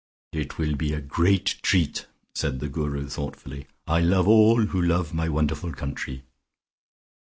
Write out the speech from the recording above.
"It will be great treat," said the Guru thoughtfully, "I love all who love my wonderful country."